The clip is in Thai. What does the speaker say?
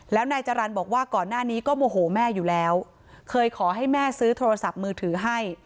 แล้วนายจรรย์บอกว่าก่อนหน้านี้ก็โมโหแม่อยู่แล้วเคยขอให้แม่ซื้อโทรศัพท์มือถือให้